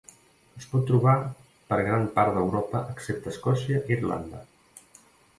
Es pot trobar per gran part d'Europa excepte Escòcia i Irlanda.